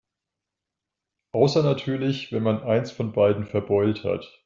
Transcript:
Außer natürlich, wenn man eins von beiden verbeult hat.